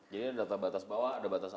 jadi ada batas bawah ada batas atas